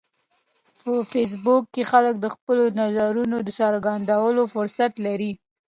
په فېسبوک کې خلک د خپلو نظرونو د څرګندولو فرصت لري